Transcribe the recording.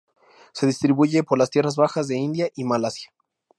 Se distribuye por las tierras bajas de India y Malasia.